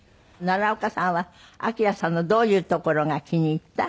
奈良岡さんはＡＫＩＲＡさんのどういうところが気に入った？